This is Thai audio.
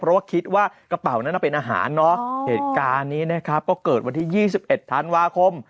เพราะว่าคิดว่ากระเป๋านั้นเป็นอาหารเนาะเหตุการณ์นี้นะครับก็เกิดวันที่๒๑ธันวาคม